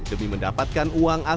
demi mendapatkan uang asli